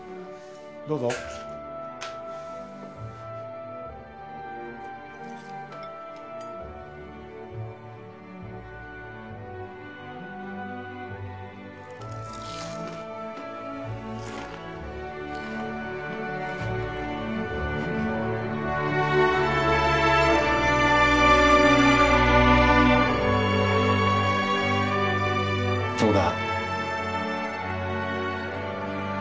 どうぞどうだ？